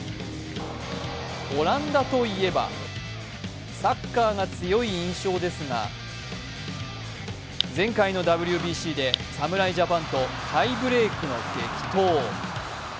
オランダといえば、サッカーが強い印象ですが、前回のＷＢＣで侍ジャパンとタイブレークの激闘。